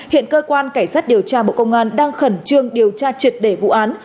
hiện cơ quan cảnh sát điều tra bộ công an đang khẩn trương điều tra triệt đề vụ án